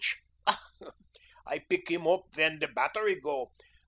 "Ach, I pick 'um oop vhen der batterie go.